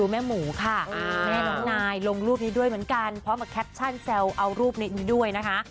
แม่หมูค่ะแม่น้องนายลงรูปนี้ด้วยเหมือนกันพร้อมมาแคปชั่นแซวเอารูปนี้ด้วยนะคะ